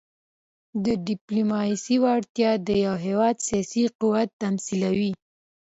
د ډيپلوماسۍ وړتیا د یو هېواد سیاسي قوت تمثیلوي.